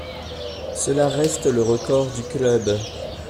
Cela reste le record du club.